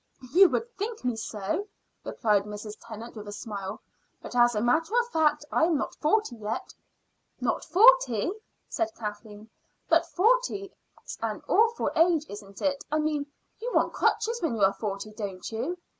"You would think me so," replied Mrs. Tennant, with a smile; "but as a matter of fact I am not forty yet." "Not forty!" said Kathleen. "But forty's an awful age, isn't it? I mean, you want crutches when you are forty, don't you?"